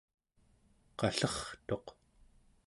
qallertuq